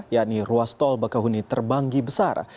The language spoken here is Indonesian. yakni ruas tol bakahuni terbanggi besar